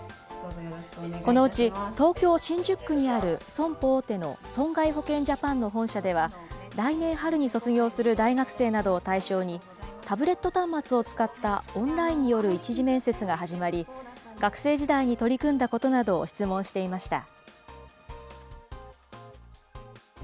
このうち東京・新宿区にある損保大手の損害保険ジャパンの本社では、来年春に卒業する大学生などを対象に、タブレット端末を使ったオンラインによる１次面接が始まり、学生時代に取り組んだことなどを質問していました。